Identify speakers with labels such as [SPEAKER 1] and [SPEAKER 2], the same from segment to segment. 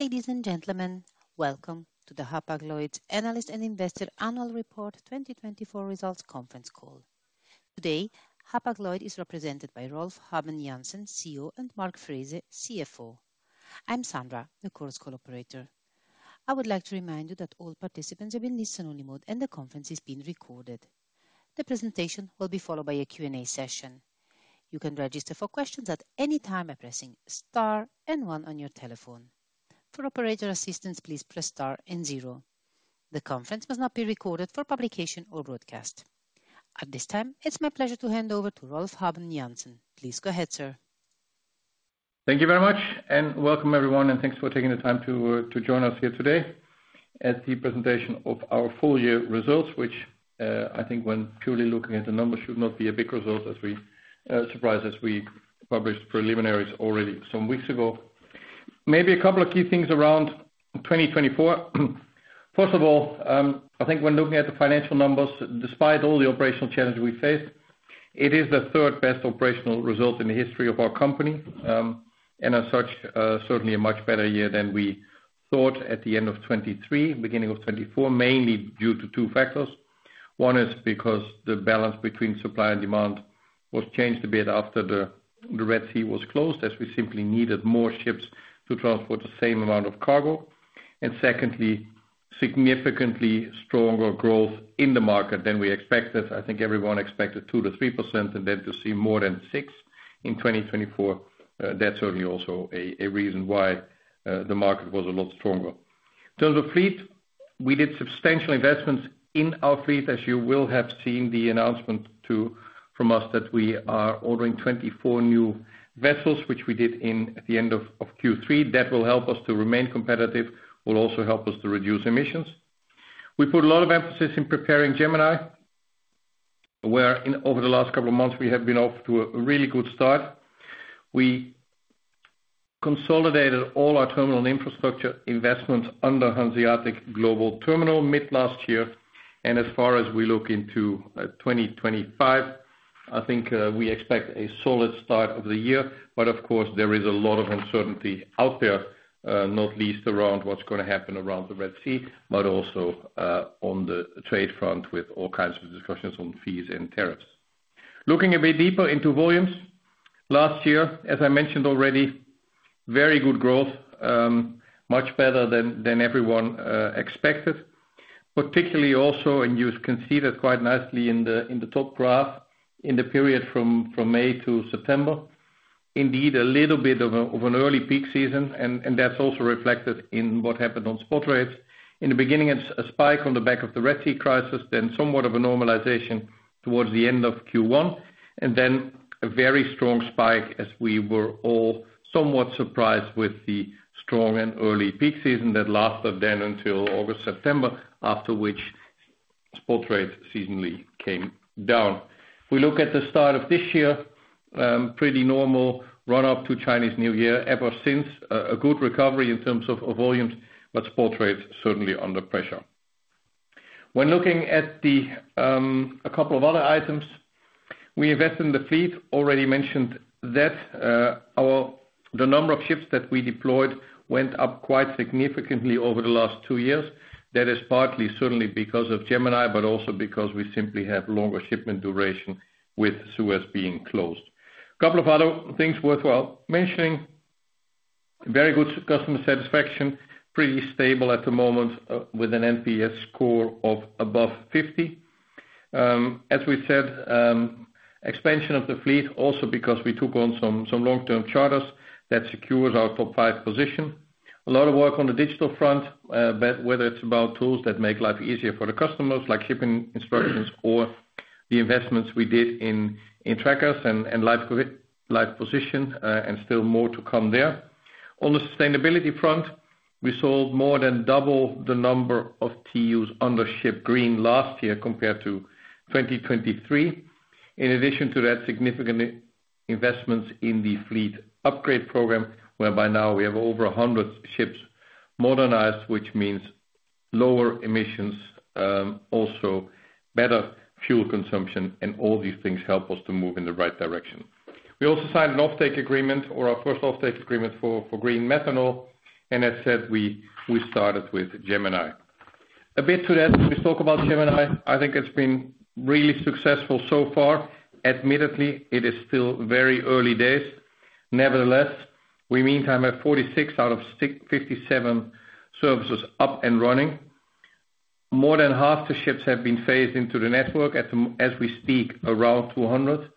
[SPEAKER 1] Ladies and gentlemen, welcome to the Hapag-Lloyd Analyst and Investor Annual Report 2024 Results Conference Call. Today, Hapag-Lloyd is represented by Rolf Habben Jansen, CEO, and Mark Frese, CFO. I'm Sandra, the Chorus Call operator. I would like to remind you that all participants are in this anonymous, and the conference is being recorded. The presentation will be followed by a Q&A session. You can register for questions at any time by pressing star and one on your telephone. For operator assistance, please press star and zero. The conference must not be recorded for publication or broadcast. At this time, it's my pleasure to hand over to Rolf Habben Jansen. Please go ahead, sir.
[SPEAKER 2] Thank you very much, and welcome everyone, and thanks for taking the time to join us here today at the presentation of our full year results, which I think, when purely looking at the numbers, should not be a big result, as we surprised us. We published preliminaries already some weeks ago. Maybe a couple of key things around 2024. First of all, I think when looking at the financial numbers, despite all the operational challenges we faced, it is the third best operational result in the history of our company. As such, certainly a much better year than we thought at the end of 2023, beginning of 2024, mainly due to two factors. One is because the balance between supply and demand was changed a bit after the Red Sea was closed, as we simply needed more ships to transport the same amount of cargo. Secondly, significantly stronger growth in the market than we expected. I think everyone expected 2%-3%, and then to see more than 6% in 2024, that's certainly also a reason why the market was a lot stronger. In terms of fleet, we did substantial investments in our fleet, as you will have seen the announcement from us that we are ordering 24 new vessels, which we did at the end of Q3. That will help us to remain competitive. It will also help us to reduce emissions. We put a lot of emphasis in preparing Gemini, where over the last couple of months we have been off to a really good start. We consolidated all our terminal infrastructure investments under Hanseatic Global Terminals mid-last year. As far as we look into 2025, I think we expect a solid start of the year. Of course, there is a lot of uncertainty out there, not least around what is going to happen around the Red Sea, but also on the trade front with all kinds of discussions on fees and tariffs. Looking a bit deeper into volumes last year, as I mentioned already, very good growth, much better than everyone expected, particularly also, and you can see that quite nicely in the top graph in the period from May to September. Indeed, a little bit of an early peak season, and that is also reflected in what happened on spot rates. In the beginning, a spike on the back of the Red Sea crisis, then somewhat of a normalization towards the end of Q1, and then a very strong spike as we were all somewhat surprised with the strong and early peak season that lasted then until August, September, after which spot rates seasonally came down. We look at the start of this year, pretty normal run-up to Chinese New Year ever since, a good recovery in terms of volumes, but spot rates certainly under pressure. When looking at a couple of other items, we invest in the fleet. I already mentioned that the number of ships that we deployed went up quite significantly over the last two years. That is partly certainly because of Gemini, but also because we simply have longer shipment duration with Suez being closed. A couple of other things worthwhile mentioning: very good customer satisfaction, pretty stable at the moment with, an NPS score of above 50. As we said, expansion of the fleet also because we took on some long-term charters that secures our top five position. A lot of work on the digital front, whether it's about tools that make life easier for the customers, like shipping instructions, or the investments we did in trackers and live position, and still more to come there. On the sustainability front, we sold more than double the number of TEUs under Ship Green last year compared to 2023. In addition to that, significant investments in the fleet upgrade program, whereby now we have over 100 ships modernized, which means lower emissions, also better fuel consumption, and all these things help us to move in the right direction. We also signed an offtake agreement, or our first offtake agreement for green methanol, and that said, we started with Gemini. A bit to that, we spoke about Gemini. I think it's been really successful so far. Admittedly, it is still very early days. Nevertheless, we meantime have 46 out of 57 services up and running. More than half the ships have been phased into the network as we speak, around 200.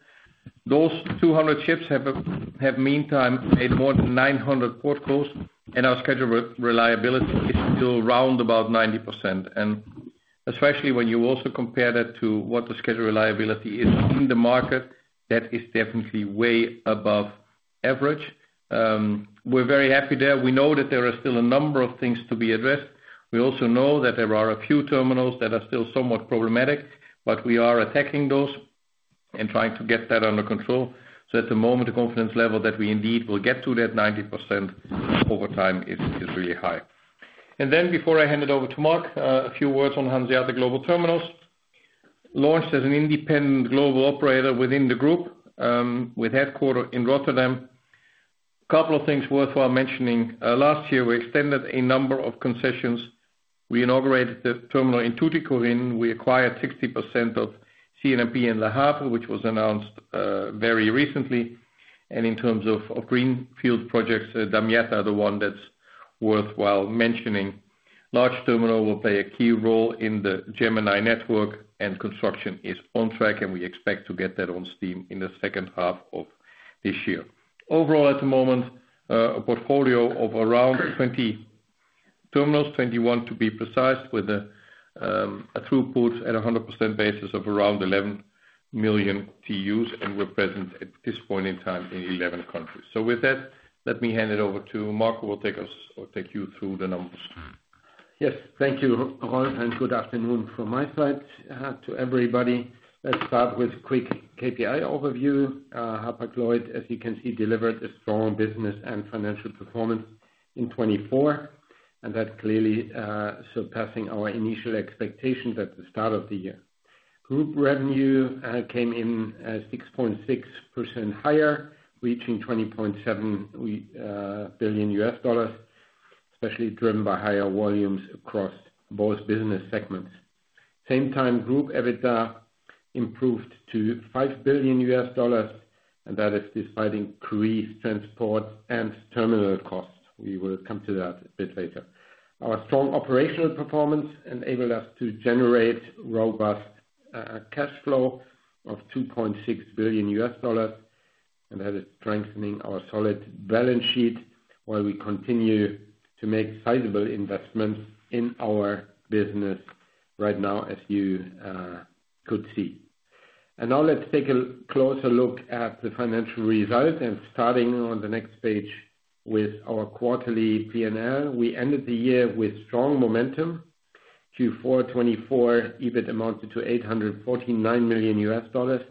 [SPEAKER 2] Those 200 ships have meantime made more than 900 port calls, and our schedule reliability is still around about 90%. Especially when you also compare that to what the schedule reliability is in the market, that is definitely way above average. We're very happy there. We know that there are still a number of things to be addressed. We also know that there are a few terminals that are still somewhat problematic, but we are attacking those and trying to get that under control. At the moment, the confidence level that we indeed will get to that 90% over time is really high. Before I hand it over to Mark, a few words on Hanseatic Global Terminals. Launched as an independent global operator within the group with headquarters in Rotterdam. A couple of things worthwhile mentioning. Last year, we extended a number of concessions. We inaugurated the terminal in Tuticorin. We acquired 60% of CNMP in Le Havre, which was announced very recently. In terms of greenfield projects, Damietta is the one that's worthwhile mentioning. Large terminal will play a key role in the Gemini network, and construction is on track, and we expect to get that on steam in the second half of this year. Overall, at the moment, a portfolio of around 20 terminals, 21 to be precise, with a throughput at a 100% basis of around 11 million TEUs, and we're present at this point in time in 11 countries. With that, let me hand it over to Mark, who will take us or take you through the numbers.
[SPEAKER 3] Yes, thank you, Rolf, and good afternoon from my side to everybody. Let's start with a quick KPI overview. Hapag-Lloyd, as you can see, delivered a strong business and financial performance in 2024, and that clearly surpassing our initial expectations at the start of the year. Group revenue came in 6.6% higher, reaching $20.7 billion, especially driven by higher volumes across both business segments. Same time, group EBITDA improved to $5 billion, and that is despite increased transport and terminal costs. We will come to that a bit later. Our strong operational performance enabled us to generate robust cash flow of $2.6 billion, and that is strengthening our solid balance sheet while we continue to make sizable investments in our business right now, as you could see. Let's take a closer look at the financial result, and starting on the next page with our quarterly P&L, we ended the year with strong momentum. Q4 2024 EBIT amounted to $849 million.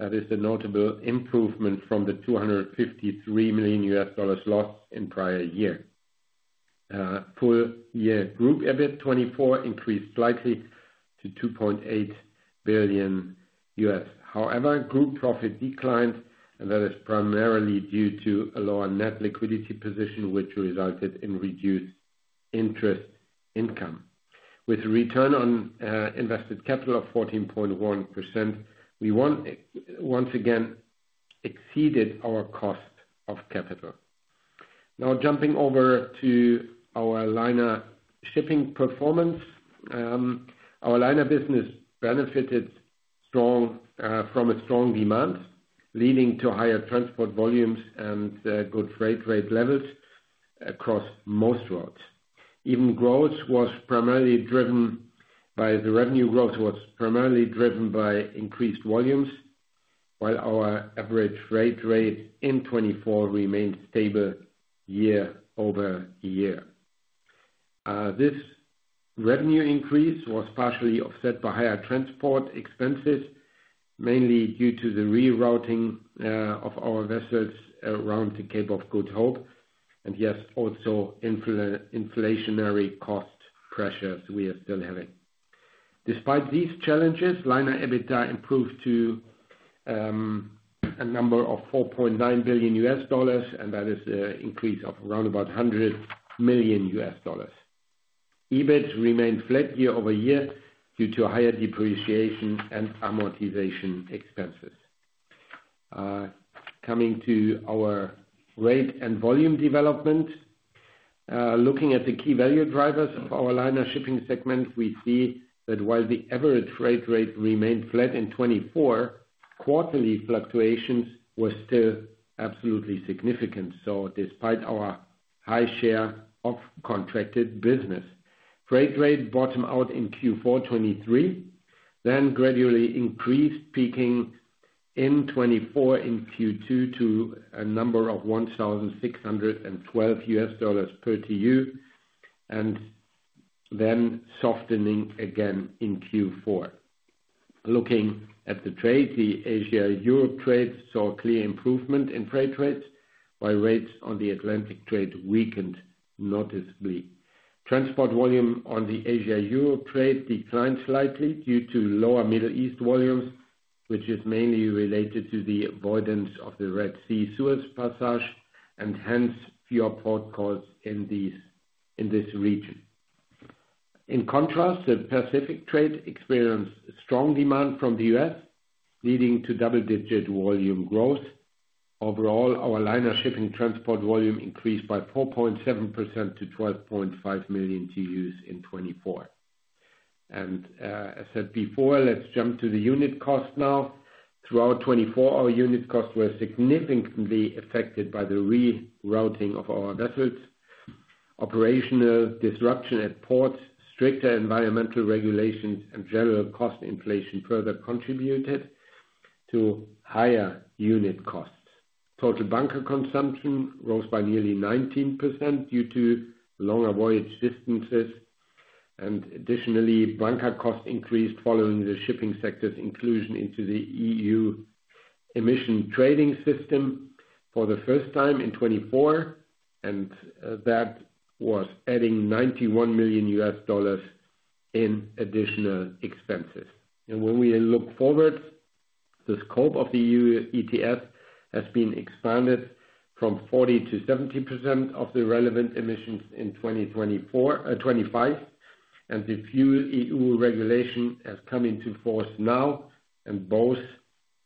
[SPEAKER 3] That is a notable improvement from the $253 million lost in the prior year. Full year group EBIT 2024 increased slightly to $2.8 billion. However, group profit declined, and that is primarily due to a lower net liquidity position, which resulted in reduced interest income. With a return on invested capital of 14.1%, we once again exceeded our cost of capital. Now jumping over to our liner shipping performance, our liner business benefited from strong demand, leading to higher transport volumes and good freight rate levels across most routes. Even growth was primarily driven by the revenue growth was primarily driven by increased volumes, while our average freight rate in 2024 remained stable year-over-year. This revenue increase was partially offset by higher transport expenses, mainly due to the rerouting of our vessels around the Cape of Good Hope, and yes, also inflationary cost pressures we are still having. Despite these challenges, Liner EBITDA improved to a number of $4.9 billion, and that is an increase of around about $100 million. EBIT remained flat year over year due to higher depreciation and amortization expenses. Coming to our rate and volume development, looking at the key value drivers of our liner shipping segment, we see that while the average freight rate remained flat in 2024, quarterly fluctuations were still absolutely significant. Despite our high share of contracted business, freight rate bottomed out in Q4 2023, then gradually increased, peaking in 2024 in Q2 to a number of $1,612 per TEU, and then softening again in Q4. Looking at the trade, the Asia-Europe trade saw a clear improvement in freight rates, while rates on the Atlantic trade weakened noticeably. Transport volume on the Asia-Europe trade declined slightly due to lower Middle East volumes, which is mainly related to the avoidance of the Red Sea-Suez passage and hence fewer port calls in this region. In contrast, the Pacific trade experienced strong demand from the U.S., leading to double-digit volume growth. Overall, our liner shipping transport volume increased by 4.7% to 12.5 million TEU in 2024. As I said before, let's jump to the unit cost now. Throughout 2024, our unit costs were significantly affected by the rerouting of our vessels. Operational disruption at ports, stricter environmental regulations, and general cost inflation further contributed to higher unit costs. Total bunker consumption rose by nearly 19% due to longer voyage distances. Additionally, bunker costs increased following the shipping sector's inclusion into the EU ETS for the first time in 2024, and that was adding $91 million in additional expenses. When we look forward, the scope of the EU ETS has been expanded from 40%-70% of the relevant emissions in 2025, and a few EU regulations have come into force now, and both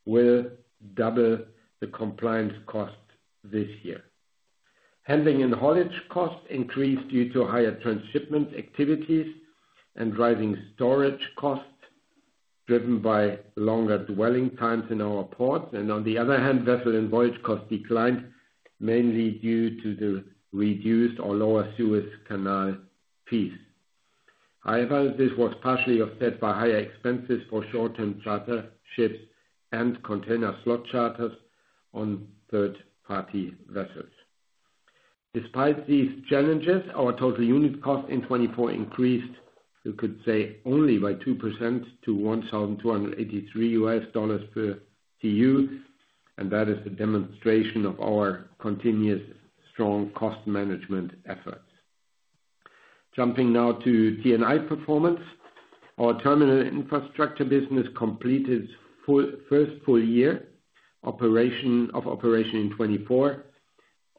[SPEAKER 3] will double the compliance costs this year. Handling and haulage costs increased due to higher transshipment activities and rising storage costs driven by longer dwelling times in our ports. On the other hand, vessel and voyage costs declined mainly due to the reduced or lower Suez Canal fees. However, this was partially offset by higher expenses for short-term charter ships and container slot charters on third-party vessels. Despite these challenges, our total unit cost in 2024 increased, we could say, only by 2% to $1,283 per TEU, and that is a demonstration of our continuous strong cost management efforts. Jumping now to T&I performance, our terminal infrastructure business completed first full year of operation in 2024,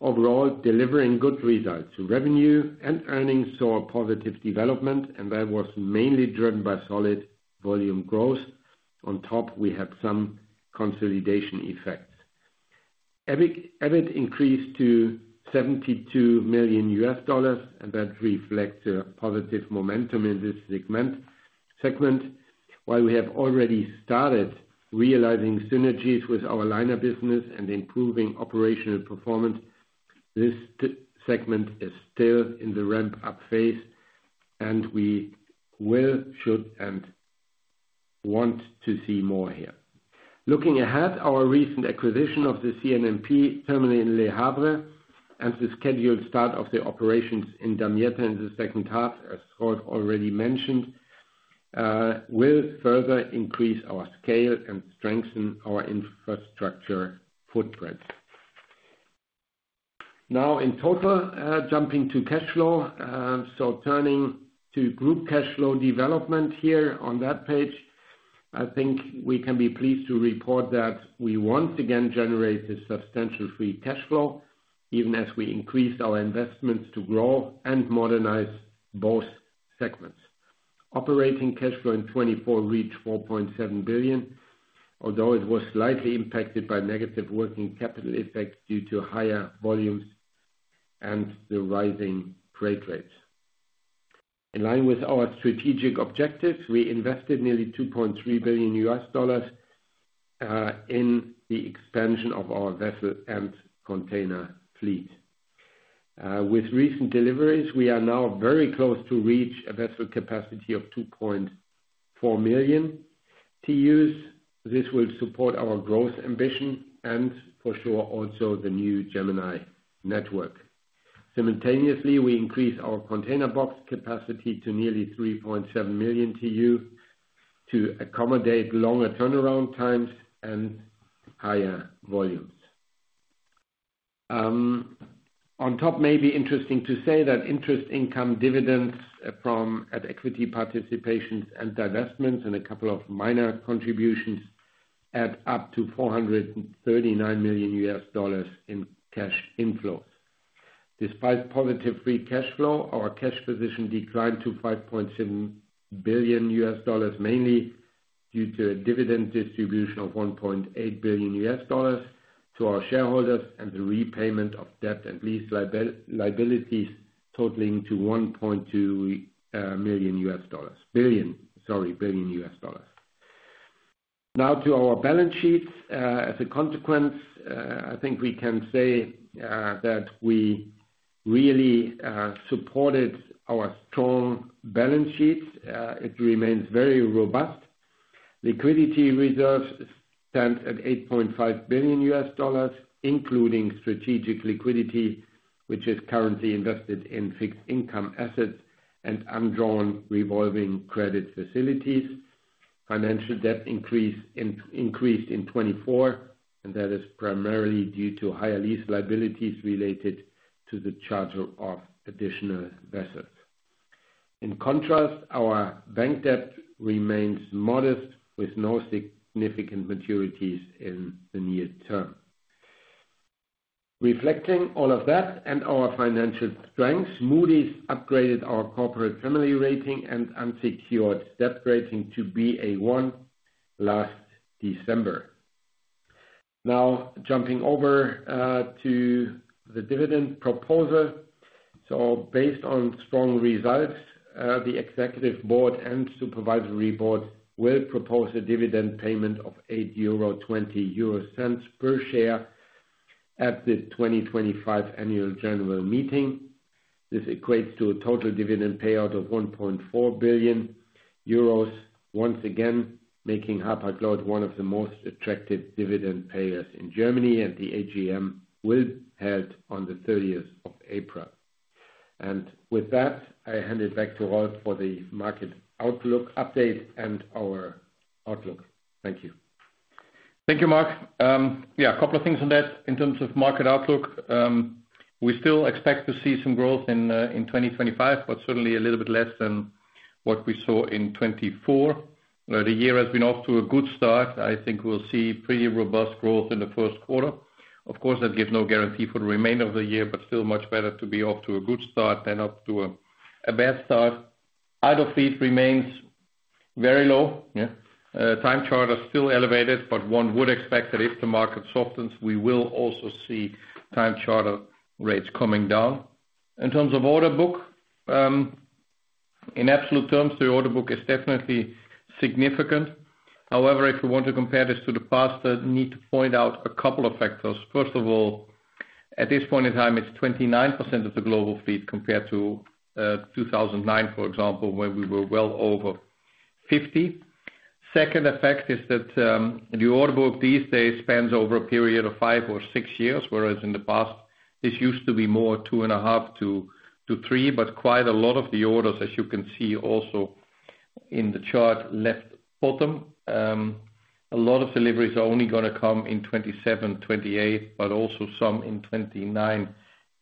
[SPEAKER 3] overall delivering good results. Revenue and earnings saw a positive development, and that was mainly driven by solid volume growth. On top, we have some consolidation effects. EBIT increased to $72 million, and that reflects a positive momentum in this segment. While we have already started realizing synergies with our liner business and improving operational performance, this segment is still in the ramp-up phase, and we will, should, and want to see more here. Looking ahead, our recent acquisition of the CNMP terminal in Le Havre and the scheduled start of the operations in Damietta in the second half, as Rolf already mentioned, will further increase our scale and strengthen our infrastructure footprint. Now, in total, jumping to cash flow, turning to group cash flow development here on that page, I think we can be pleased to report that we once again generated substantial free cash flow, even as we increased our investments to grow and modernize both segments. Operating cash flow in 2024 reached $4.7 billion, although it was slightly impacted by negative working capital effects due to higher volumes and the rising freight rates. In line with our strategic objectives, we invested nearly $2.3 billion in the expansion of our vessel and container fleet. With recent deliveries, we are now very close to reach a vessel capacity of 2.4 million TEU. This will support our growth ambition and, for sure, also the new Gemini network. Simultaneously, we increased our container box capacity to nearly 3.7 million TEU to accommodate longer turnaround times and higher volumes. On top, maybe interesting to say that interest income, dividends from equity participations and divestments, and a couple of minor contributions add up to $439 million in cash inflows. Despite positive free cash flow, our cash position declined to $5.7 billion, mainly due to a dividend distribution of $1.8 billion to our shareholders and the repayment of debt and lease liabilities totaling to $1.2 billion US dollars. Now to our balance sheets. As a consequence, I think we can say that we really supported our strong balance sheet. It remains very robust. Liquidity reserves stand at $8.5 billion, including strategic liquidity, which is currently invested in fixed income assets and undrawn revolving credit facilities. Financial debt increased in 2024, and that is primarily due to higher lease liabilities related to the charter of additional vessels. In contrast, our bank debt remains modest with no significant maturities in the near term. Reflecting all of that and our financial strength, Moody's upgraded our corporate family rating and unsecured debt rating to Ba1 last December. Now jumping over to the dividend proposal. Based on strong results, the executive board and supervisory board will propose a dividend payment of 0.082 per share at the 2025 annual general meeting. This equates to a total dividend payout of 1.4 billion euros, once again making Hapag-Lloyd one of the most attractive dividend payers in Germany, and the AGM will be held on the 30th of April. With that, I hand it back to Rolf for the market outlook update and our outlook. Thank you.
[SPEAKER 2] Thank you, Mark. Yeah, a couple of things on that in terms of market outlook. We still expect to see some growth in 2025, but certainly a little bit less than what we saw in 2024. The year has been off to a good start. I think we'll see pretty robust growth in the first quarter. Of course, that gives no guarantee for the remainder of the year, but still much better to be off to a good start than off to a bad start. Idle fleet remains very low. Time charter is still elevated, but one would expect that if the market softens, we will also see time charter rates coming down. In terms of order book, in absolute terms, the order book is definitely significant. However, if we want to compare this to the past, I need to point out a couple of factors. First of all, at this point in time, it's 29% of the global fleet compared to 2009, for example, when we were well over 50%. Second effect is that the order book these days spans over a period of five or six years, whereas in the past, this used to be more two and a half to three, but quite a lot of the orders, as you can see also in the chart left bottom, a lot of deliveries are only going to come in 2027, 2028, but also some in 2029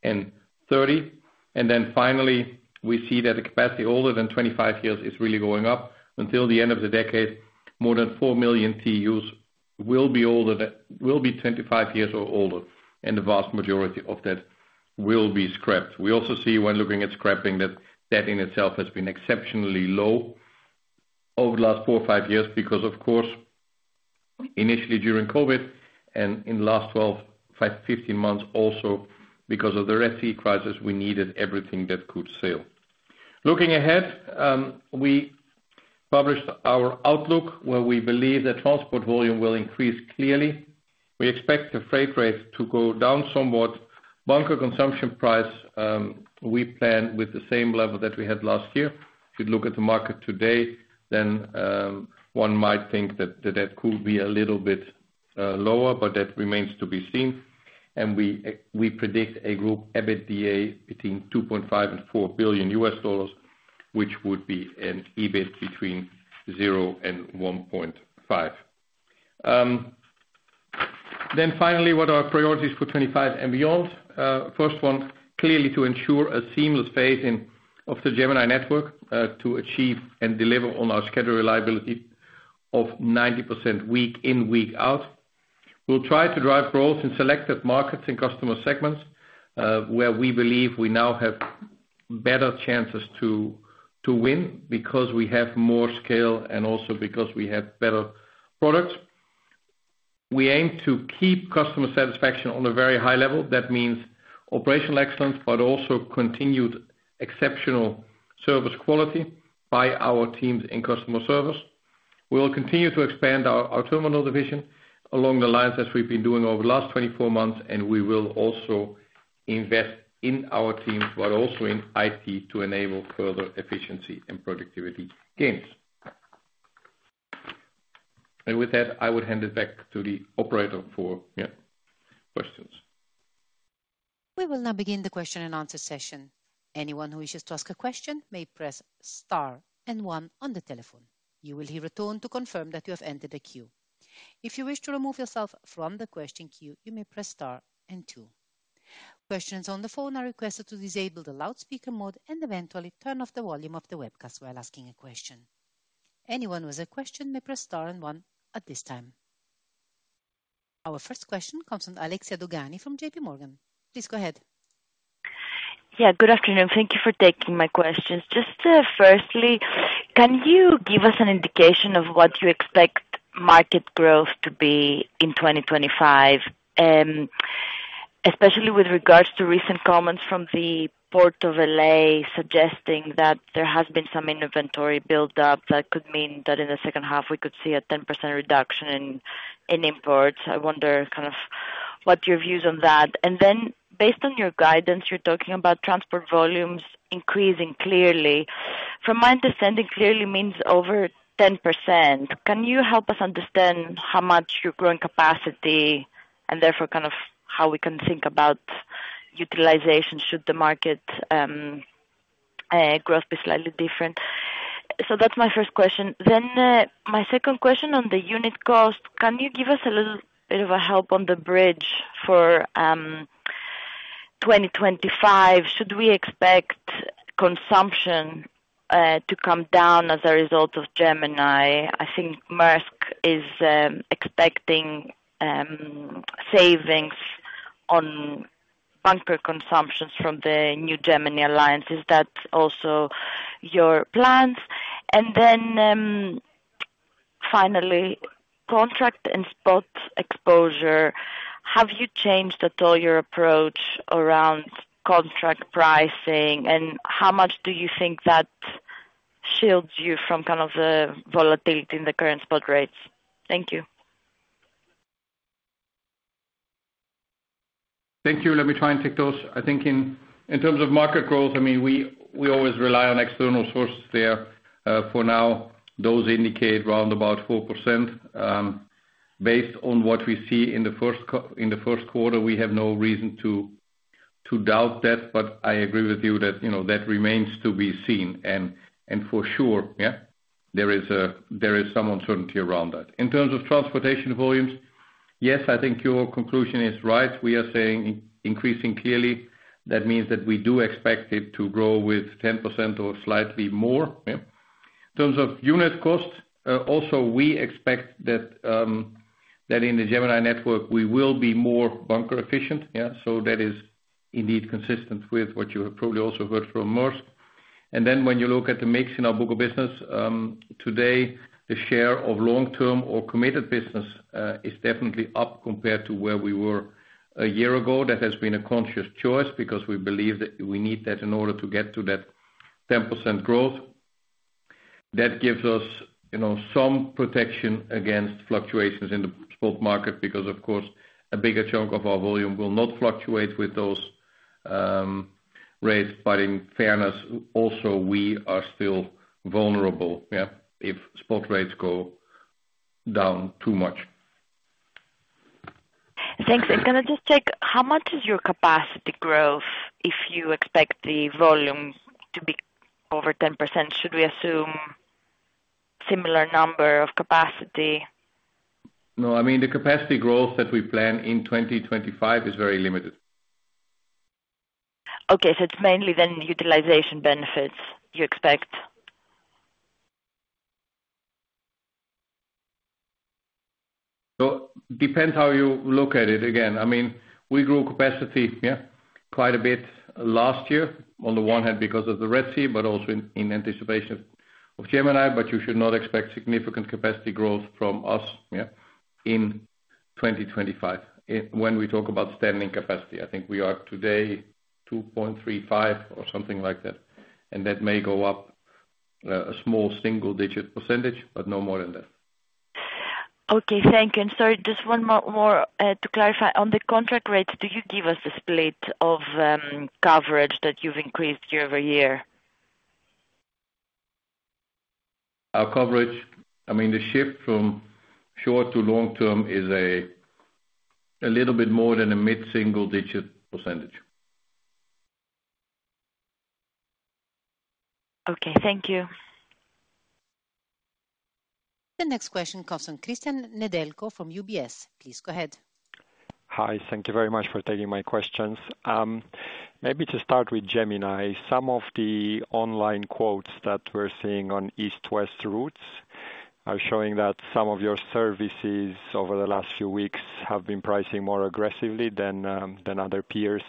[SPEAKER 2] and 2030. Finally, we see that the capacity older than 25 years is really going up. Until the end of the decade, more than 4 million TEUs will be 25 years or older, and the vast majority of that will be scrapped. We also see when looking at scrapping that, that in itself has been exceptionally low over the last four or five years because, of course, initially during COVID and in the last 12 months-15 months, also because of the Red Sea crisis, we needed everything that could sail. Looking ahead, we published our outlook where we believe that transport volume will increase clearly. We expect the freight rate to go down somewhat. Bunker consumption price, we plan with the same level that we had last year. If you look at the market today, then one might think that that could be a little bit lower, but that remains to be seen. We predict a group EBITDA between $2.5 billion and $4 billion, which would be an EBIT between $0 and $1.5 billion. Finally, what are our priorities for 2025 and beyond? The first one, clearly, is to ensure a seamless phase of the Gemini network to achieve and deliver on our schedule reliability of 90% week in, week out. We will try to drive growth in selected markets and Customer segments where we believe we now have better chances to win because we have more scale and also because we have better products. We aim to keep customer satisfaction on a very high level. That means operational excellence, but also continued exceptional service quality by our teams in customer service. We will continue to expand our terminal division along the lines as we've been doing over the last 24 months, and we will also invest in our teams, but also in IT to enable further efficiency and productivity gains. With that, I would hand it back to the operator for questions.
[SPEAKER 1] We will now begin the question and answer session. Anyone who wishes to ask a question may press star and one on the telephone. You will hear a tone to confirm that you have entered the queue. If you wish to remove yourself from the question queue, you may press star and two. Questions on the phone are requested to disable the loudspeaker mode and eventually turn off the volume of the webcast while asking a question. Anyone with a question may press star and one at this time. Our first question comes from Alexia Dogani from JPMorgan. Please go ahead.
[SPEAKER 4] Yeah, good afternoon. Thank you for taking my questions. Just firstly, can you give us an indication of what you expect market growth to be in 2025, especially with regards to recent comments from the Port of LA suggesting that there has been some inventory buildup that could mean that in the second half, we could see a 10% reduction in imports? I wonder kind of what your views on that. Based on your guidance, you're talking about transport volumes increasing clearly. From my understanding, clearly means over 10%. Can you help us understand how much you're growing capacity and therefore kind of how we can think about utilization should the market growth be slightly different? That's my first question. My second question on the unit cost, can you give us a little bit of a help on the bridge for 2025? Should we expect consumption to come down as a result of Gemini? I think Maersk is expecting savings on bunker consumption from the new Gemini alliance. Is that also your plans? Finally, contract and spot exposure, have you changed at all your approach around contract pricing? How much do you think that shields you from kind of the volatility in the current spot rates? Thank you.
[SPEAKER 3] Thank you. Let me try and take those. I think in terms of market growth, I mean, we always rely on external sources there. For now, those indicate round about 4%. Based on what we see in the first quarter, we have no reason to doubt that, but I agree with you that that remains to be seen. For sure, yeah, there is some uncertainty around that. In terms of transportation volumes, yes, I think your conclusion is right. We are saying increasing clearly. That means that we do expect it to grow with 10% or slightly more. In terms of unit cost, also we expect that in the Gemini network, we will be more bunker efficient. Yeah, so that is indeed consistent with what you have probably also heard from Maersk. When you look at the mix in our book of business, today, the share of long-term or committed business is definitely up compared to where we were a year ago. That has been a conscious choice because we believe that we need that in order to get to that 10% growth. That gives us some protection against fluctuations in the spot market because, of course, a bigger chunk of our volume will not fluctuate with those rates. In fairness, also we are still vulnerable, yeah, if spot rates go down too much.
[SPEAKER 4] Thanks. I'm going to just check. How much is your capacity growth if you expect the volume to be over 10%? Should we assume similar number of capacity?
[SPEAKER 2] No, I mean, the capacity growth that we plan in 2025 is very limited.
[SPEAKER 4] Okay, it is mainly then utilization benefits you expect.
[SPEAKER 2] It depends how you look at it. Again, I mean, we grew capacity, yeah, quite a bit last year on the one hand because of the Red Sea, but also in anticipation of Gemini. You should not expect significant capacity growth from us, yeah, in 2025 when we talk about standing capacity. I think we are today 2.35 or something like that. That may go up a small single-digit percentage, but no more than that.
[SPEAKER 4] Okay, thank you. Sorry, just one more to clarify. On the contract rates, do you give us the split of coverage that you've increased year-over-year?
[SPEAKER 2] Our coverage, I mean, the shift from short to long-term is a little bit more than a mid-single-digit %.
[SPEAKER 4] Okay, thank you.
[SPEAKER 1] The next question comes from Cristian Nedelcu from UBS. Please go ahead.
[SPEAKER 5] Hi, thank you very much for taking my questions. Maybe to start with Gemini, some of the online quotes that we're seeing on East West Routes are showing that some of your services over the last few weeks have been pricing more aggressively than other peers.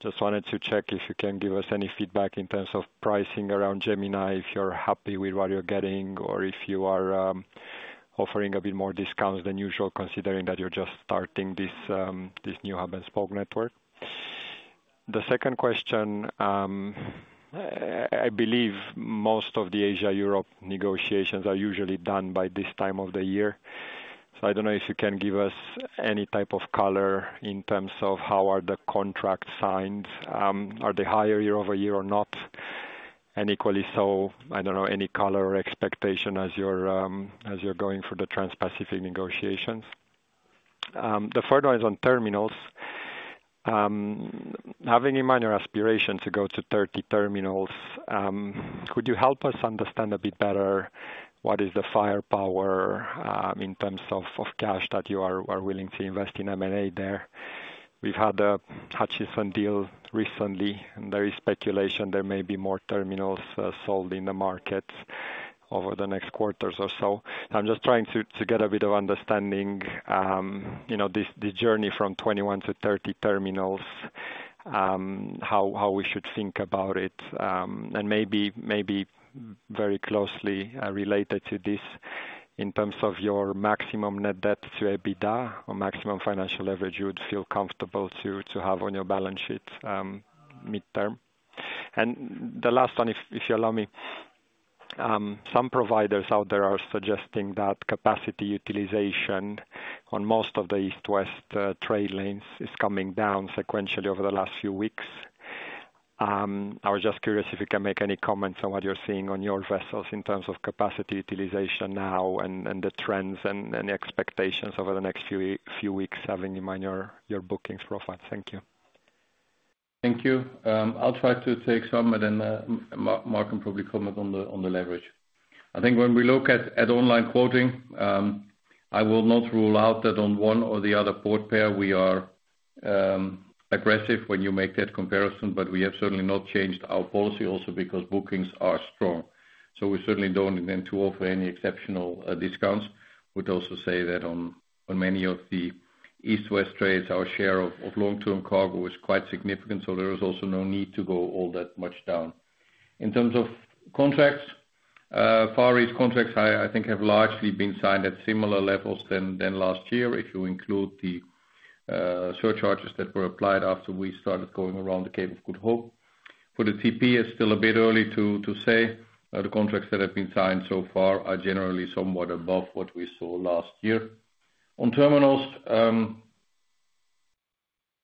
[SPEAKER 5] Just wanted to check if you can give us any feedback in terms of pricing around Gemini, if you're happy with what you're getting or if you are offering a bit more discounts than usual, considering that you're just starting this new Hub and Spoke network. The second question, I believe most of the Asia-Europe negotiations are usually done by this time of the year. I don't know if you can give us any type of color in terms of how are the contracts signed, are they higher year-over-year or not? Equally, any color or expectation as you're going for the Trans-Pacific negotiations? The third one is on terminals. Having in mind your aspiration to go to 30 terminals, could you help us understand a bit better what is the firepower in terms of cash that you are willing to invest in M&A there? We've had a Hutchison deal recently, and there is speculation there may be more terminals sold in the markets over the next quarters or so. I'm just trying to get a bit of understanding the journey from 21-30 terminals, how we should think about it, and maybe very closely related to this in terms of your maximum net debt to EBITDA or maximum financial leverage you would feel comfortable to have on your balance sheet midterm. The last one, if you allow me, some providers out there are suggesting that capacity utilization on most of the East West trade lanes is coming down sequentially over the last few weeks. I was just curious if you can make any comments on what you're seeing on your vessels in terms of capacity utilization now and the trends and expectations over the next few weeks, having in mind your bookings profile. Thank you.
[SPEAKER 2] Thank you. I'll try to take some, and then Mark can probably comment on the leverage. I think when we look at online quoting, I will not rule out that on one or the other port pair we are aggressive when you make that comparison, but we have certainly not changed our policy also because bookings are strong. We certainly don't intend to offer any exceptional discounts. I'd also say that on many of the East West trades, our share of long-term cargo is quite significant, so there is also no need to go all that much down. In terms of contracts, Far East contracts, I think, have largely been signed at similar levels than last year if you include the surcharges that were applied after we started going around the Cape of Good Hope. For the TP, it's still a bit early to say. The contracts that have been signed so far are generally somewhat above what we saw last year. On terminals,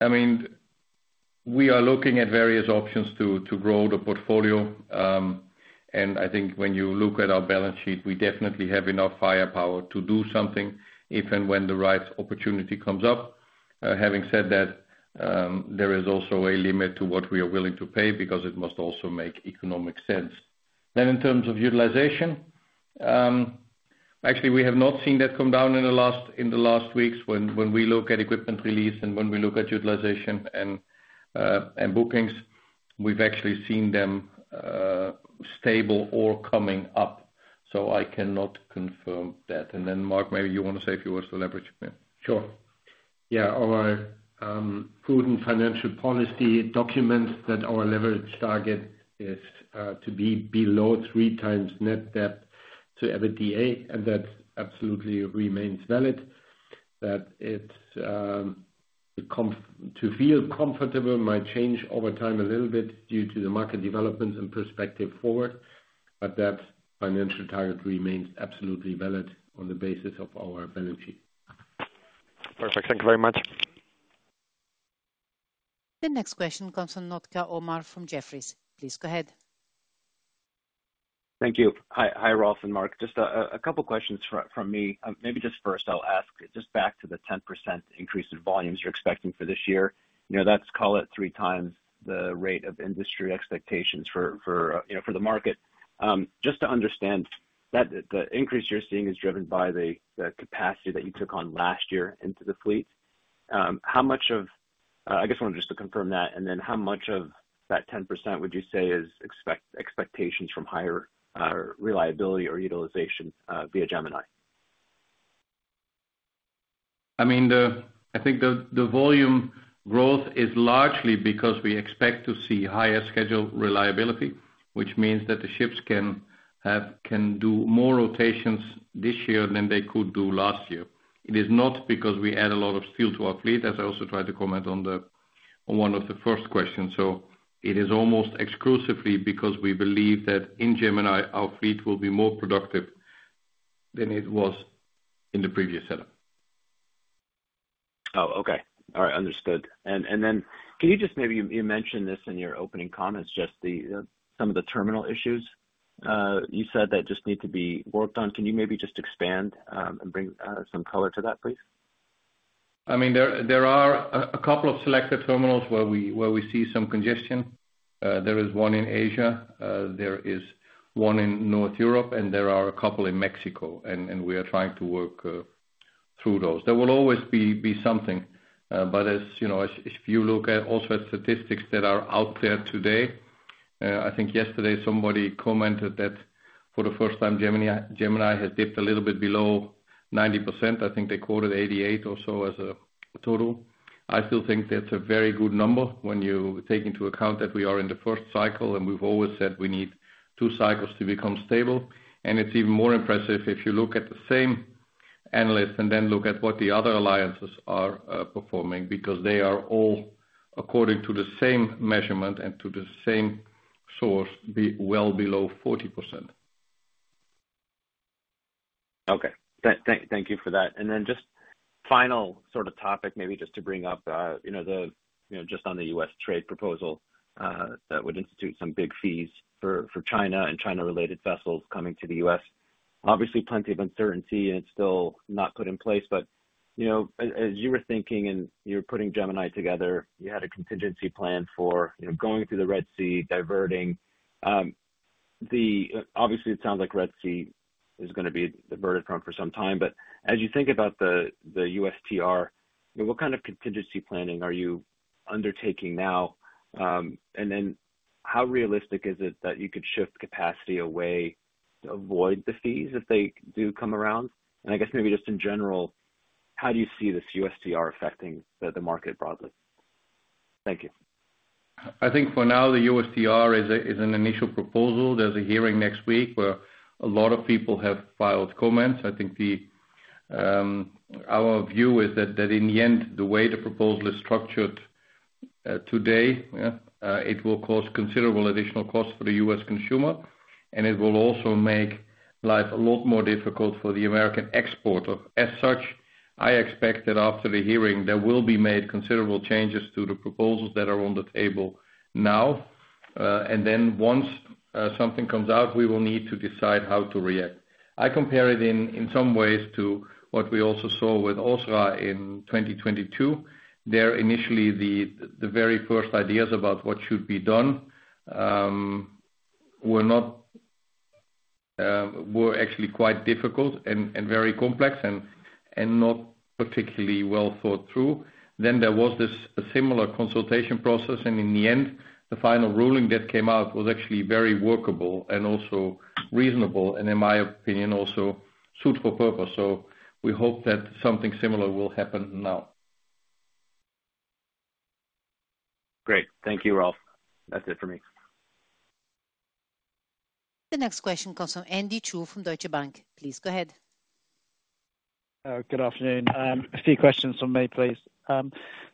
[SPEAKER 2] I mean, we are looking at various options to grow the portfolio. I think when you look at our balance sheet, we definitely have enough firepower to do something if and when the right opportunity comes up. Having said that, there is also a limit to what we are willing to pay because it must also make economic sense. In terms of utilization, actually, we have not seen that come down in the last weeks. When we look at equipment release and when we look at utilization and bookings, we've actually seen them stable or coming up. I cannot confirm that. Mark, maybe you want to say a few words to leverage.
[SPEAKER 3] Sure. Our food and financial policy documents that our leverage target is to be below 3x net debt to EBITDA, and that absolutely remains valid. That to feel comfortable might change over time a little bit due to the market developments and perspective forward, but that financial target remains absolutely valid on the basis of our balance sheet.
[SPEAKER 5] Perfect. Thank you very much.
[SPEAKER 1] The next question comes from Omar Nokta from Jefferies. Please go ahead.
[SPEAKER 6] Thank you. Hi, Rolf and Mark. Just a couple of questions from me. Maybe just first, I'll ask just back to the 10% increase in volumes you're expecting for this year. That's, call it, 3x the rate of industry expectations for the market. Just to understand, the increase you're seeing is driven by the capacity that you took on last year into the fleet. How much of, I just wanted to just confirm that, and then how much of that 10% would you say is expectations from higher reliability or utilization via Gemini?
[SPEAKER 2] I mean, I think the volume growth is largely because we expect to see higher schedule reliability, which means that the ships can do more rotations this year than they could do last year. It is not because we add a lot of steel to our fleet, as I also tried to comment on one of the first questions. It is almost exclusively because we believe that in Gemini, our fleet will be more productive than it was in the previous setup.
[SPEAKER 6] Oh, okay. All right. Understood. Can you just maybe, you mentioned this in your opening comments, just some of the terminal issues you said that just need to be worked on. Can you maybe just expand and bring some color to that, please?
[SPEAKER 2] I mean, there are a couple of selected terminals where we see some congestion. There is one in Asia. There is one in North Europe, and there are a couple in Mexico. We are trying to work through those. There will always be something. If you look also at statistics that are out there today, I think yesterday somebody commented that for the first time, Gemini has dipped a little bit below 90%. I think they quoted 88% or so as a total. I still think that's a very good number when you take into account that we are in the first cycle, and we've always said we need two cycles to become stable. It's even more impressive if you look at the same analysts and then look at what the other alliances are performing because they are all, according to the same measurement and to the same source, well below 40%.
[SPEAKER 6] Okay. Thank you for that. Just final sort of topic, maybe just to bring up the just on the US trade proposal that would institute some big fees for China and China-related vessels coming to the US. Obviously, plenty of uncertainty, and it's still not put in place. As you were thinking and you were putting Gemini together, you had a contingency plan for going through the Red Sea, diverting. Obviously, it sounds like Red Sea is going to be diverted from for some time. As you think about the USTR, what kind of contingency planning are you undertaking now? How realistic is it that you could shift capacity away to avoid the fees if they do come around? I guess maybe just in general, how do you see this USTR affecting the market broadly?
[SPEAKER 2] Thank you. I think for now, the USTR is an initial proposal. There is a hearing next week where a lot of people have filed comments. I think our view is that in the end, the way the proposal is structured today, it will cause considerable additional costs for the US consumer, and it will also make life a lot more difficult for the American exporter. As such, I expect that after the hearing, there will be made considerable changes to the proposals that are on the table. Now once something comes out, we will need to decide how to react. I compare it in some ways to what we also saw with OSRA in 2022. There, initially, the very first ideas about what should be done were actually quite difficult and very complex and not particularly well thought through. There was this similar consultation process, and in the end, the final ruling that came out was actually very workable and also reasonable and, in my opinion, also suitable purpose. We hope that something similar will happen now.
[SPEAKER 6] Great. Thank you, Rolf. That's it for me.
[SPEAKER 1] The next question comes from Andy Chu from Deutsche Bank. Please go ahead. '
[SPEAKER 7] Good afternoon. A few questions from me, please. In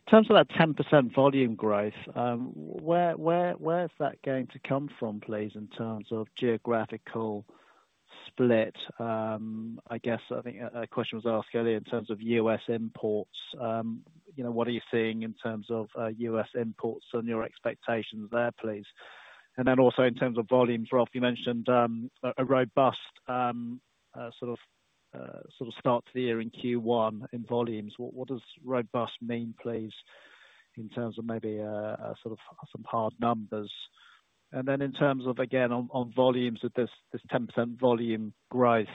[SPEAKER 7] terms of that 10% volume growth, where is that going to come from, please, in terms of geographical split? I guess a question was asked earlier in terms of U.S. imports. What are you seeing in terms of U.S. imports and your expectations there, please? Also, in terms of volumes, Rolf, you mentioned a robust sort of start to the year in Q1 in volumes. What does robust mean, please, in terms of maybe sort of some hard numbers? In terms of, again, on volumes, this 10% volume growth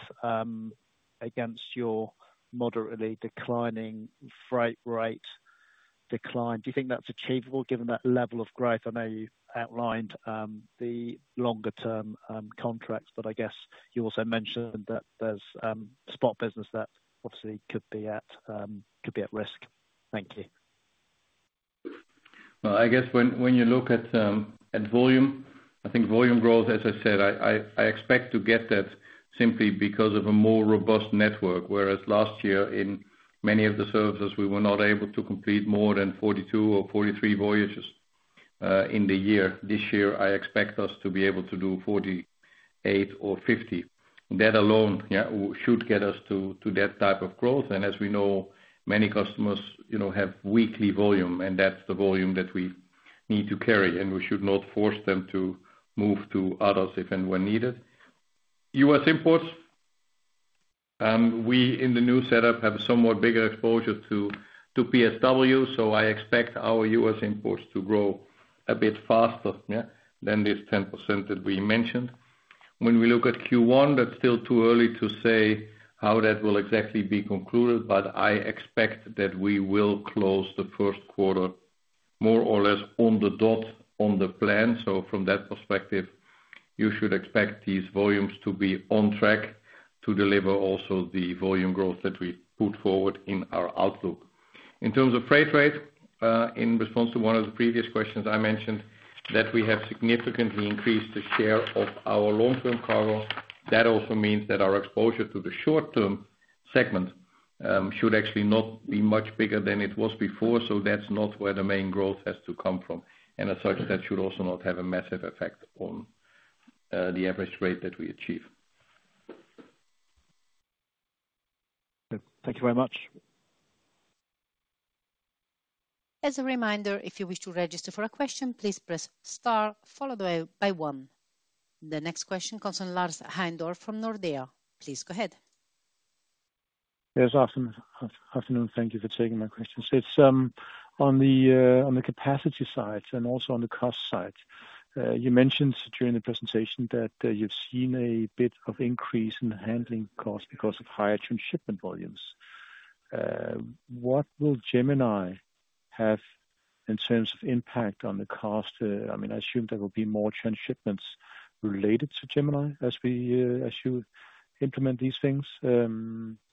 [SPEAKER 7] against your moderately declining freight rate decline, do you think that's achievable given that level of growth? I know you outlined the longer-term contracts, but I guess you also mentioned that there's spot business that obviously could be at risk. Thank you.
[SPEAKER 2] I guess when you look at volume, I think volume growth, as I said, I expect to get that simply because of a more robust network, whereas last year, in many of the services, we were not able to complete more than 42 or 43 voyages in the year. This year, I expect us to be able to do 48 or 50. That alone should get us to that type of growth. As we know, many customers have weekly volume, and that's the volume that we need to carry, and we should not force them to move to others if and when needed. U.S. imports, we in the new setup have a somewhat bigger exposure to PSW, so I expect our U.S. imports to grow a bit faster than this 10% that we mentioned. When we look at Q1, that's still too early to say how that will exactly be concluded, but I expect that we will close the first quarter more or less on the dot on the plan. From that perspective, you should expect these volumes to be on track to deliver also the volume growth that we put forward in our outlook. In terms of freight rate, in response to one of the previous questions, I mentioned that we have significantly increased the share of our long-term cargo. That also means that our exposure to the short-term segment should actually not be much bigger than it was before, so that's not where the main growth has to come from. As such, that should also not have a massive effect on the average rate that we achieve.
[SPEAKER 7] Thank you very much.
[SPEAKER 1] As a reminder, if you wish to register for a question, please press star followed by one. The next question comes from Lars Heindorff from Nordea. Please go ahead.
[SPEAKER 8] Yes, afternoon. Thank you for taking my questions. It's on the capacity side and also on the cost side. You mentioned during the presentation that you've seen a bit of increase in handling costs because of higher transshipment volumes. What will Gemini have in terms of impact on the cost? I mean, I assume there will be more transshipments related to Gemini as you implement these things. Yeah,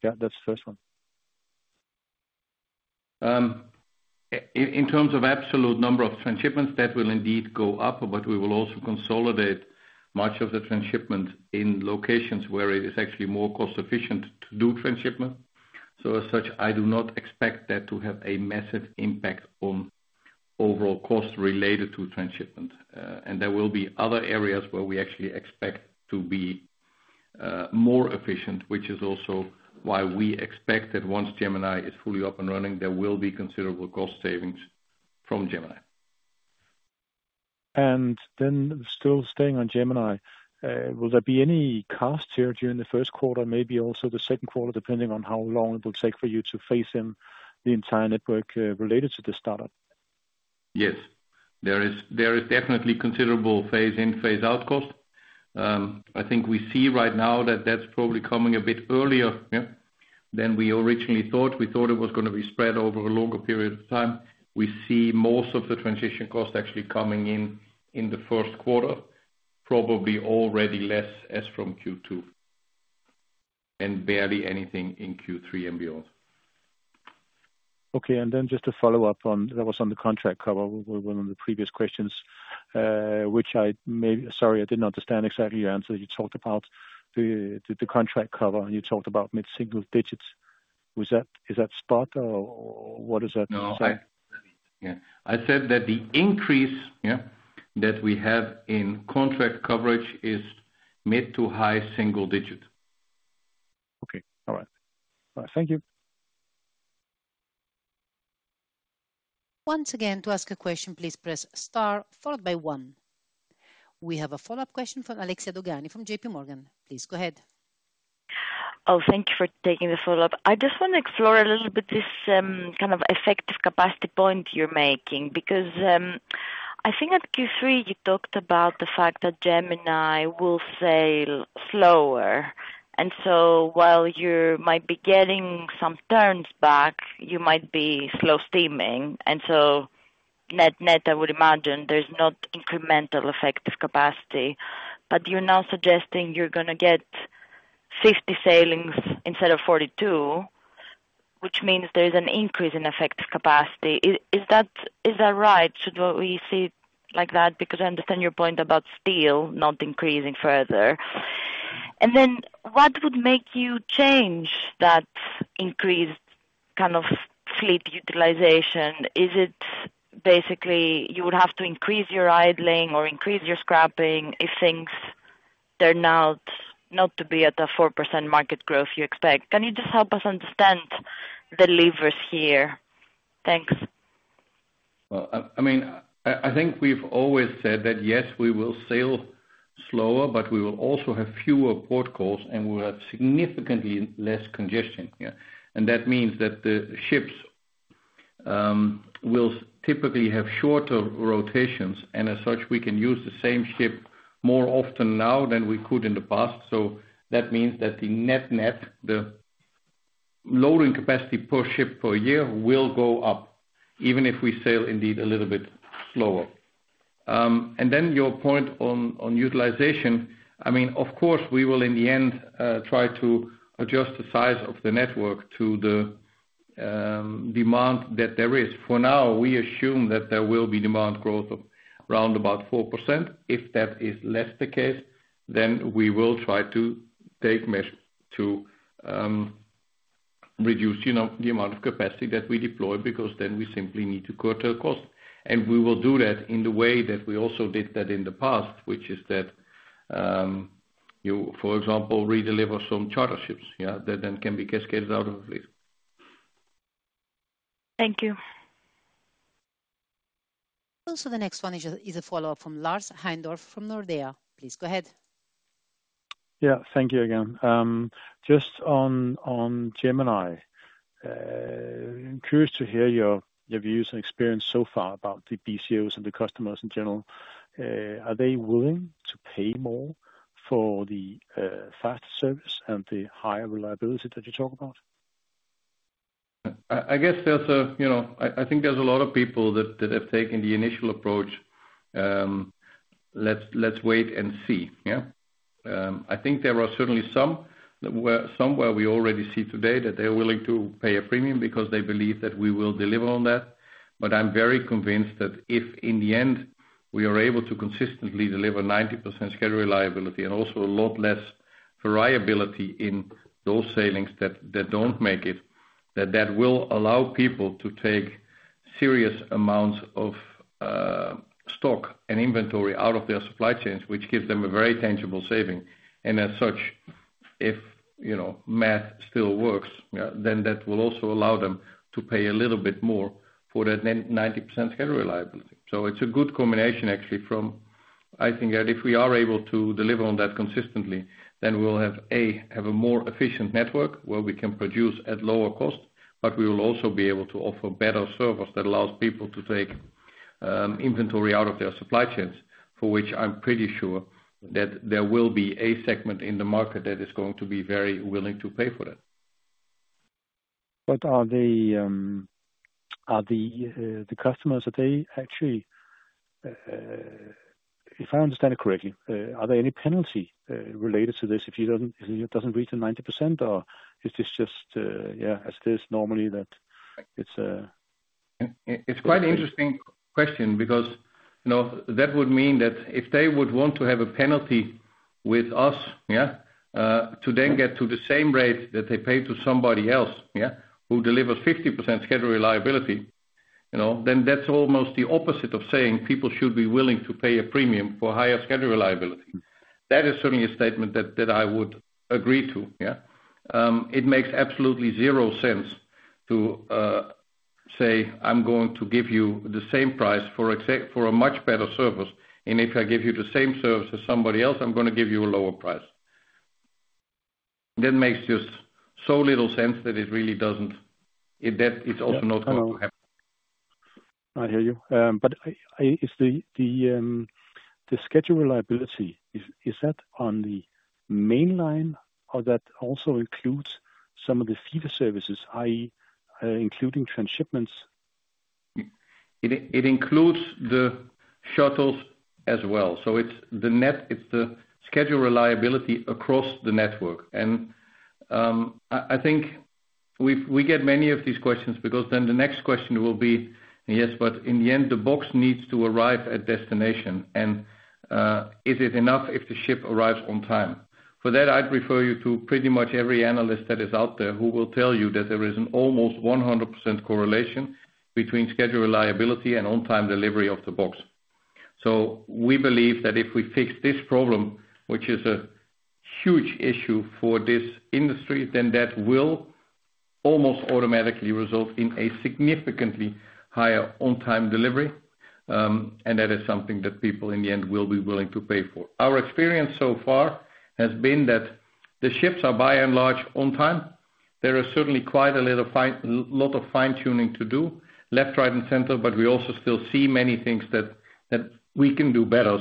[SPEAKER 8] that's the first one.
[SPEAKER 2] In terms of absolute number of transshipments, that will indeed go up, but we will also consolidate much of the transshipment in locations where it is actually more cost-efficient to do transshipment. As such, I do not expect that to have a massive impact on overall cost related to transshipment. There will be other areas where we actually expect to be more efficient, which is also why we expect that once Gemini is fully up and running, there will be considerable cost savings from Gemini.
[SPEAKER 8] Still staying on Gemini, will there be any costs here during the first quarter, maybe also the second quarter, depending on how long it will take for you to phase in the entire network related to the startup?
[SPEAKER 2] Yes. There is definitely considerable phase-in and phase-out cost. I think we see right now that that's probably coming a bit earlier than we originally thought. We thought it was going to be spread over a longer period of time. We see most of the transition costs actually coming in in the first quarter, probably already less as from Q2 and barely anything in Q3 and beyond.
[SPEAKER 8] Okay. Just to follow up on that was on the contract cover within the previous questions, which I maybe, sorry, I did not understand exactly your answer. You talked about the contract cover and you talked about mid-single digits. Is that spot or what does that say?
[SPEAKER 2] Yeah. I said that the increase that we have in contract coverage is mid to high single digit.
[SPEAKER 8] Okay. All right. Thank you.
[SPEAKER 1] Once again, to ask a question, please press star followed by one. We have a follow-up question from Alexia Dogani from JPMorgan. Please go ahead. Oh, thank you for taking the follow-up.
[SPEAKER 4] I just want to explore a little bit this kind of effective capacity point you're making because I think at Q3, you talked about the fact that Gemini will sail slower. While you might be getting some turns back, you might be slow-steaming. Net net, I would imagine there's not incremental effective capacity. You're now suggesting you're going to get 50 sailings instead of 42, which means there's an increase in effective capacity. Is that right? Should we see it like that? I understand your point about steel not increasing further. What would make you change that increased kind of fleet utilization? Is it basically you would have to increase your idling or increase your scrapping if things turn out not to be at a 4% market growth you expect? Can you just help us understand the levers here? Thanks.
[SPEAKER 2] I mean, I think we've always said that, yes, we will sail slower, but we will also have fewer port calls, and we'll have significantly less congestion. That means that the ships will typically have shorter rotations, and as such, we can use the same ship more often now than we could in the past. That means that the net, net, the loading capacity per ship per year will go up, even if we sail indeed a little bit slower. Your point on utilization, I mean, of course, we will in the end try to adjust the size of the network to the demand that there is. For now, we assume that there will be demand growth of around about 4%. If that is less the case, then we will try to take measures to reduce the amount of capacity that we deploy because then we simply need to curb the cost. We will do that in the way that we also did that in the past, which is that, for example, redeliver some charter ships that then can be cascaded out of the fleet.
[SPEAKER 4] Thank you.
[SPEAKER 1] Also, the next one is a follow-up from Lars Heindorff from Nordea. Please go ahead. Yeah.
[SPEAKER 8] Thank you again. Just on Gemini, I'm curious to hear your views and experience so far about the BCOs and the customers in general. Are they willing to pay more for the faster service and the higher reliability that you talk about?
[SPEAKER 2] I guess there's a I think there's a lot of people that have taken the initial approach, "Let's wait and see." Yeah. I think there are certainly some where we already see today that they're willing to pay a premium because they believe that we will deliver on that. I am very convinced that if in the end we are able to consistently deliver 90% schedule reliability and also a lot less variability in those sailings that do not make it, that that will allow people to take serious amounts of stock and inventory out of their supply chains, which gives them a very tangible saving. As such, if math still works, then that will also allow them to pay a little bit more for that 90% schedule reliability. It's a good combination, actually. I think that if we are able to deliver on that consistently, then we'll have, A, a more efficient network where we can produce at lower cost, but we will also be able to offer better service that allows people to take inventory out of their supply chains, for which I'm pretty sure that there will be a segment in the market that is going to be very willing to pay for that.
[SPEAKER 8] Are the customers, are they actually, if I understand it correctly, are there any penalties related to this if it doesn't reach the 90%, or is this just, yeah, as it is normally that it's a?
[SPEAKER 2] It's quite an interesting question because that would mean that if they would want to have a penalty with us, yeah, to then get to the same rate that they pay to somebody else who delivers 50% schedule reliability, then that's almost the opposite of saying people should be willing to pay a premium for higher schedule reliability. That is certainly a statement that I would agree to. Yeah. It makes absolutely zero sense to say, "I'm going to give you the same price for a much better service." If I give you the same service as somebody else, I'm going to give you a lower price. That makes just so little sense that it really doesn't, it's also not going to happen. I hear you. The schedule reliability, is that on the mainline, or does that also include some of the feeder services, i.e., including transshipments? It includes the shuttles as well. The net, it's the schedule reliability across the network. I think we get many of these questions because the next question will be, "Yes, but in the end, the box needs to arrive at destination. Is it enough if the ship arrives on time?" For that, I'd refer you to pretty much every analyst that is out there who will tell you that there is an almost 100% correlation between schedule reliability and on-time delivery of the box. We believe that if we fix this problem, which is a huge issue for this industry, that will almost automatically result in a significantly higher on-time delivery. That is something that people in the end, will be willing to pay for. Our experience so far has been that the ships are by and large on time. There is certainly quite a lot of fine-tuning to do left, right, and center, but we also still see many things that we can do better.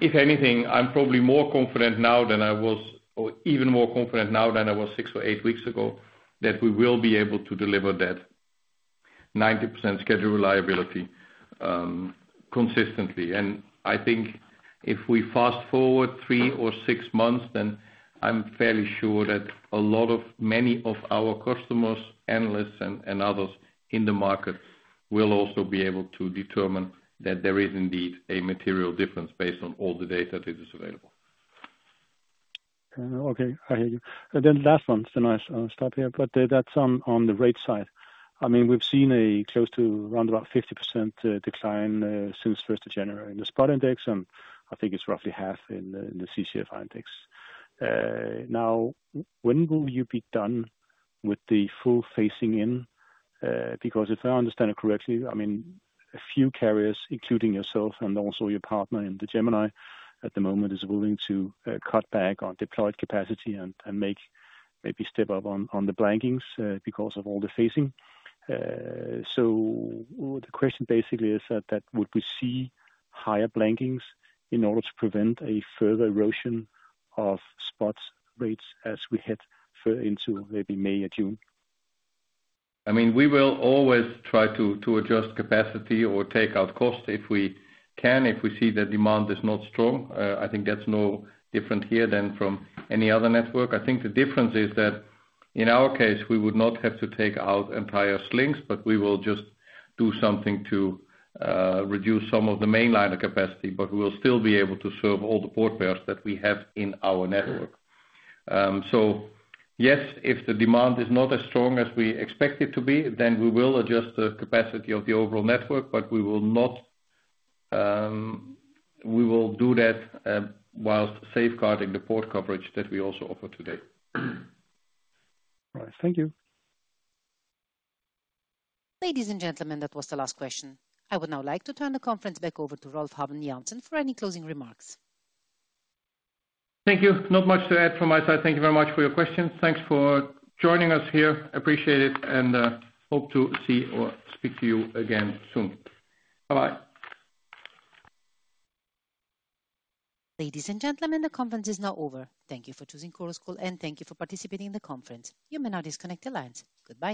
[SPEAKER 2] If anything, I'm probably more confident now than I was, or even more confident now than I was six or eight weeks ago, that we will be able to deliver that 90% schedule reliability consistently. I think if we fast forward three or six months, then I'm fairly sure that a lot of many of our customers, analysts, and others in the market will also be able to determine that there is indeed a material difference based on all the data that is available.
[SPEAKER 8] Okay. I hear you. The last one, now I'll stop here, but that's on the rate side. I mean, we've seen a close to around about 50% decline since 1st of January in the spot index, and I think it's roughly half in the CCFI index. Now, when will you be done with the full phasing in? Because if I understand it correctly, I mean, a few carriers, including yourself and also your partner in the Gemini, at the moment is willing to cut back on deployed capacity and maybe step up on the blankings because of all the phasing. The question basically is that would we see higher blankings in order to prevent a further erosion of spot rates as we head further into maybe May or June?
[SPEAKER 2] I mean, we will always try to adjust capacity or take out cost if we can, if we see that demand is not strong. I think that's no different here than from any other network. I think the difference is that in our case, we would not have to take out entire slings, but we will just do something to reduce some of the mainline capacity, but we will still be able to serve all the port pairs that we have in our network. Yes, if the demand is not as strong as we expect it to be, then we will adjust the capacity of the overall network, but we will do that whilst safeguarding the port coverage that we also offer today.
[SPEAKER 8] All right. Thank you
[SPEAKER 1] Thank you. Ladies and gentlemen, that was the last question. I would now like to turn the conference back over to Rolf Habben Jansen for any closing remarks.
[SPEAKER 2] Thank you. Not much to add from my side. Thank you very much for your questions. Thanks for joining us here. Appreciate it and hope to see or speak to you again soon. Bye-bye.
[SPEAKER 1] Ladies and gentlemen, the conference is now over. Thank you for choosing Chorus Call, and thank you for participating in the conference. You may now disconnect the lines. Goodbye.